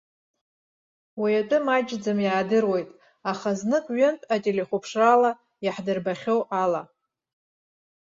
Уи атәы маҷӡан иаадыруеит, аха знык-ҩынтә ателехәаԥшрала иаҳдырбахьоу ала.